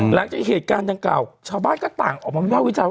หลังจากเหตุการณ์เก่าชาวบ้านก็ต่างออกมาวิวเจ้า